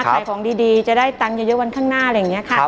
ขายของดีจะได้ตังค์เยอะวันข้างหน้าอะไรอย่างนี้ค่ะ